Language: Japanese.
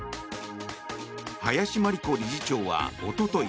林真理子理事長はおととい